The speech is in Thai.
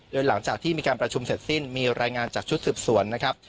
โดยหลังจากที่มีการประชุมเสร็จสิ้นมีรายงานจากชุดสืบสวนนะครับ